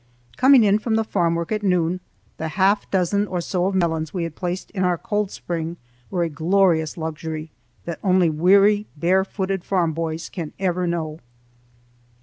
Coming in from the farm work at noon, the half dozen or so of melons we had placed in our cold spring were a glorious luxury that only weary barefooted farm boys can ever know.